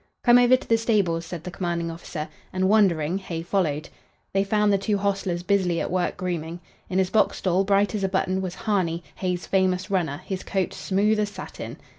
"Come over to the stables," said the commanding officer, and, wondering, Hay followed. They found the two hostlers busily at work grooming. In his box stall, bright as a button, was "Harney," Hay's famous runner, his coat smooth as satin.